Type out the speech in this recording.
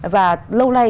và lâu nay